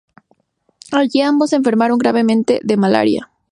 Allí ambos enfermaron gravemente de malaria.